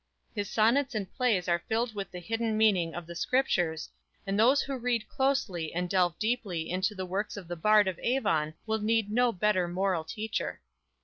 His sonnets and plays are filled with the hidden meaning of the scriptures, and those who read closely and delve deeply into the works of the Bard of Avon will need no better moral teacher.